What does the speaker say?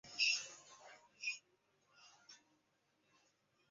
尼斯的教练称赞奥斯宾拿有成为一个好门将所有必要的条件。